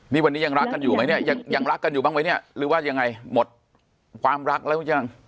นี่วันนี้ยังรักกันอยู่ไหมเนี่ยยังรักกันอยู่บ้างไหมเนี่ยหรือว่ายังไงหมดความรักแล้วหรือยัง